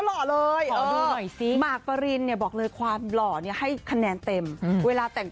หล่อเลยหมากปรินเนี่ยบอกเลยความหล่อเนี่ยให้คะแนนเต็มเวลาแต่ง